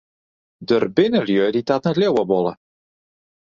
Der binne lju dy't dat net leauwe wolle.